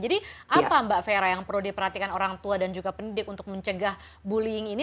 jadi apa mbak vera yang perlu diperhatikan orang tua dan juga pendidik untuk mencegah bullying ini